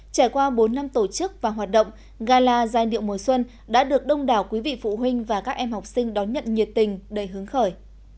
trải qua bốn năm tổ chức và hoạt động gala giai điệu mùa xuân đã được đông đảo quý vị phụ huynh và các em học sinh đón nhận nhiệt tình đầy hướng khởi